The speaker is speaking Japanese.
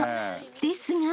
［ですが］